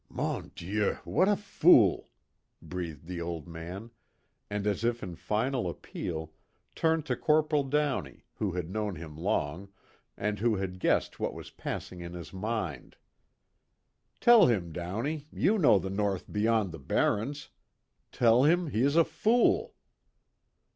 "Mon Dieu, what a fool!" breathed the old man, and as if in final appeal, turned to Corporal Downey, who had known him long, and who had guessed what was passing in his mind. "Tell him, Downey, you know the North beyond the barrens. Tell him he is a fool!"